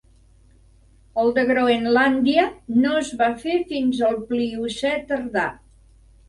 El de Groenlàndia no es va fer fins al Pliocè tardà.